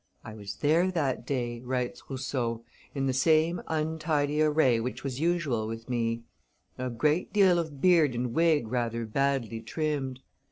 "I was there that day," writes Rousseau, "in the same untidy array which was usual with me; a great deal of beard and wig rather badly trimmed.